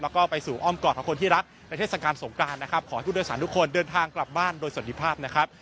แล้วก็ไปสู่อ้อมกอดของคนที่รักในเทศกาลสงกรานนะครับขอให้ผู้โดยสารทุกคนเดินทางกลับบ้านโดยสวัสดีภาพนะครับ